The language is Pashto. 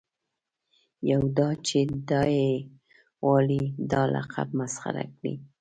یو دا چې دای غواړي دا لقب مسخره کړي.